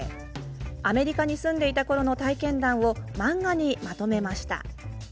アメリカに住んでいたころの体験談を漫画にまとめました。